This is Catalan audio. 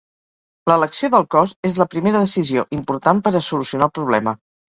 L'elecció del cos és la primera decisió important per a solucionar el problema.